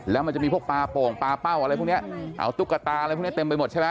แล้วมันจะมีพวกปลาโป่งปลาเป้าอะไรพวกนี้เอาตุ๊กตาอะไรพวกนี้เต็มไปหมดใช่ไหม